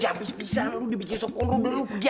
jam peace peacean lu dibikin sop kondrak belom lu pergi aja